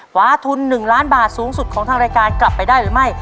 วาทุน๑ล้านบาทสูงสุดของทางรายการกลับไปได้หรือไม่